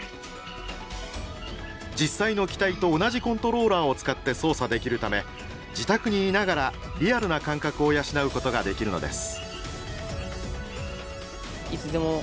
実際の機体と同じコントローラーを使って操作できるため自宅にいながらリアルな感覚を養うことができるのです。